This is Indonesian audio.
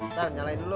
ntar nyalain dulu